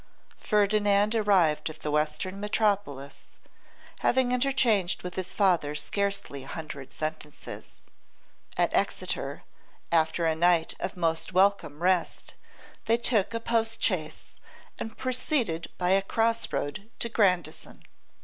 Ferdinand arrived at the western metropolis having interchanged with his father scarcely a hundred sentences. At Exeter, after a night of most welcome rest, they took a post chaise and proceeded by a cross road to Grandison.